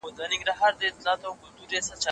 ډیپلوماسي باید د هېواد د اقتصاد د ودي لپاره وي.